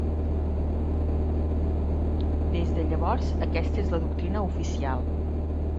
Des de llavors, aquesta és la doctrina oficial.